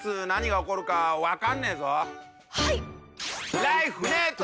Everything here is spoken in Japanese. はい！